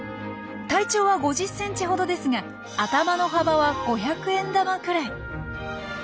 体長は５０センチほどですが頭の幅は五百円玉くらい。